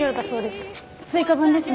追加分ですね。